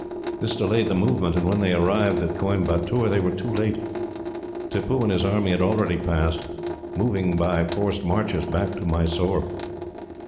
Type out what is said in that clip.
This delayed the movement, and when they arrived at Coimbatoor they were too late. Tippoo and his army had already passed, moving by forced marches back to Mysore.